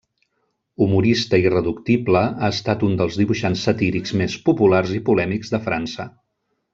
Humorista irreductible, ha estat un dels dibuixants satírics més populars i polèmics de França.